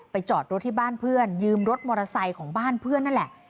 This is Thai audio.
จอดรถที่บ้านเพื่อนยืมรถมอเตอร์ไซค์ของบ้านเพื่อนนั่นแหละ